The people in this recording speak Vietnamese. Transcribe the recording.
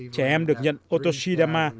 trẻ em được nhận otoshidama